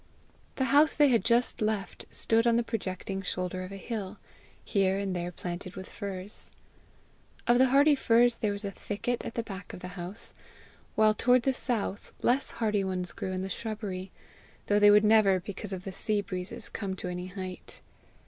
The house they had just left stood on the projecting shoulder of a hill, here and there planted with firs. Of the hardy trees there was a thicket at the back of the house, while toward the south, less hardy ones grew in the shrubbery, though they would never, because of the sea breezes, come to any height.